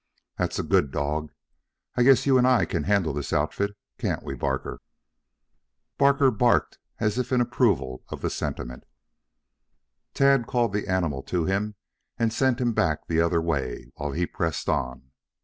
"That's a good dog. I guess you and I can handle this outfit, can't we, Barker?" Barker barked as if in approval of the sentiment. Tad called the animal to him and sent him back the other way, while he pressed on.